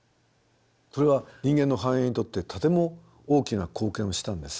それは人間の繁栄にとってとても大きな貢献をしたんです。